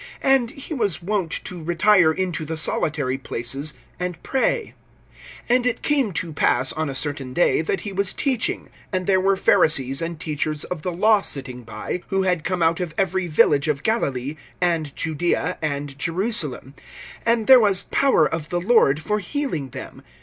(16)And he was wont to retire into the solitary places, and pray. (17)And it came to pass, on a certain day, that he was teaching; and there were Pharisees and teachers of the law sitting by, who had come out of every village of Galilee, and Judaea, and Jerusalem; and there was power of the Lord for healing them.